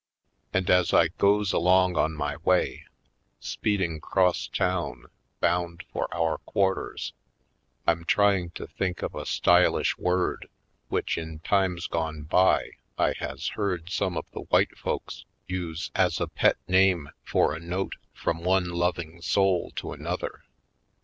And as I goes along on my way, speeding 'cross town bound for our quarters, I'm trying to think of a stylish word which in times gone by I has heard some of the white folks use as a pet name for a note from one loving soul to another.